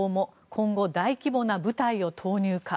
今後、大規模な部隊を投入か。